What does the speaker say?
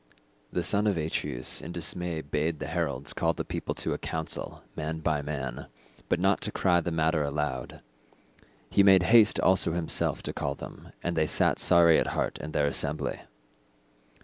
The son of Atreus in dismay bade the heralds call the people to a council man by man, but not to cry the matter aloud; he made haste also himself to call them, and they sat sorry at heart in their assembly.